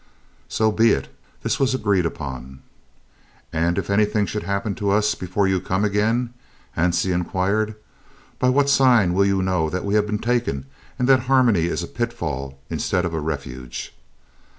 "So be it." This was agreed upon. "And if anything should happen to us before you come again?" Hansie inquired. "By what sign will you know that we have been taken and that Harmony is a pitfall instead of a refuge?"